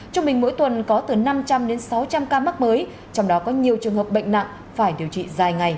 trung bình mỗi tuần có từ năm trăm linh đến sáu trăm linh ca mắc mới trong đó có nhiều trường hợp bệnh nặng phải điều trị dài ngày